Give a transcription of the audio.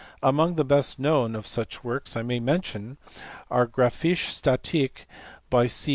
Among the best known of such works I may mention the Graphische Statik, by C.